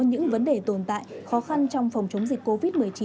những vấn đề tồn tại khó khăn trong phòng chống dịch covid một mươi chín